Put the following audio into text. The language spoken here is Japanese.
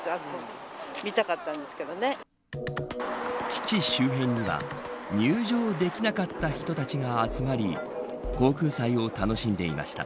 基地周辺には入場できなかった人たちが集まり航空祭を楽しんでいました。